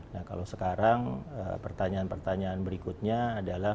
nah kalau sekarang pertanyaan pertanyaan berikutnya adalah